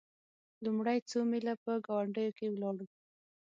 لومړي څو میله په ګاډیو کې ولاړو.